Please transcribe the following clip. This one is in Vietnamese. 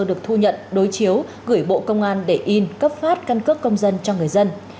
được thu nhận đối chiếu gửi bộ công an để in cấp phát căn cước công dân cho người dân